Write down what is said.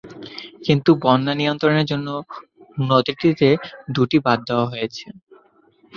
কিন্তু বন্যা নিয়ন্ত্রণের জন্য নদীটিতে দুটি বাঁধ দেওয়া হয়েছে।